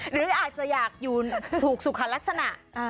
หรืออาจจะอยากอยู่ถูกสุขลักษณะ